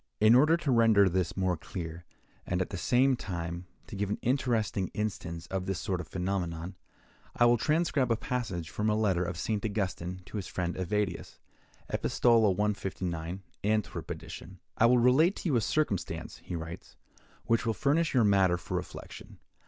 In order to render this more clear, and, at the same time, to give an interesting instance of this sort of phenomenon, I will transcribe a passage from a letter of St. Augustine to his friend Evadius (Epistola 159. Antwerp edition). "I will relate to you a circumstance," he writes, "which will furnish you matter for reflection.